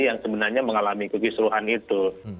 yang sebenarnya mengalami kekisruhan itu